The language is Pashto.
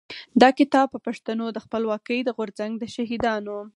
دا کتاب د پښتنو د خپلواکۍ د غورځنګ د شهيدانو.